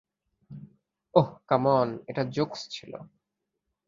Oh, come on এটা jokes ছিল।